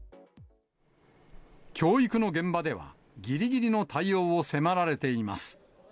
教育の現場では、ぎりぎりの対応を迫られています。